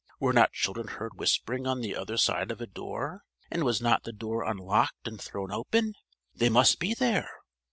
Were not children heard whispering on the other side of a door, and was not the door unlocked and thrown open? They must be there!